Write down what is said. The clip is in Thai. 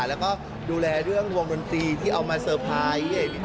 แล้วก็ดูแลเรื่องวงดนตรีที่เอามาเซอร์ไพรส์